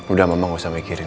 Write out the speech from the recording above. udah mama gak usah mikirin